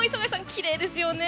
きれいですね。